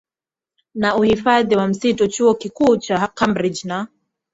na uhifadhi wa misitu Chuo Kikuu cha Cambridge na